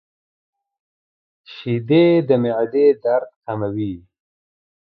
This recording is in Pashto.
• شیدې د معدې درد کموي.